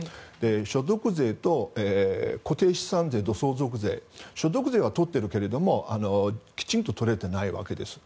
所得税と固定資産税と相続税所得税は取っているけどもきちんと取れてないわけです。